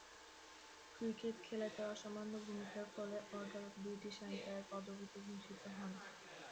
Cricket খেলার তাঁর অসামান্য ভূমিকার ফলে অর্ডার অব ব্রিটিশ এম্পায়ার পদবীতে ভূষিত হন।